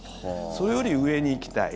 それより上に行きたい。